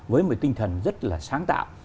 với một tinh thần rất là sáng tạo